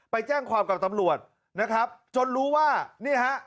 ไปแจ้งความกับตำรวจนะครับจนรู้ว่านี่ฮะ